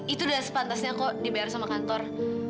itu udah sepantasnya kok dibayar sama kantor